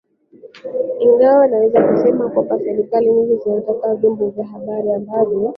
ingawa naweza kusema kwamba serikali nyingi zinataka vyombo vya habari ambavyo